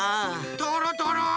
とろとろ！